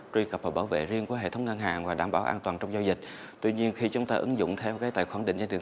truy cập và bảo vệ riêng của hệ thống ngân hàng